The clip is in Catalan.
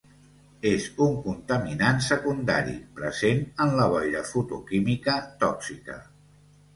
És un contaminant secundari, present en la boira fotoquímica tòxica.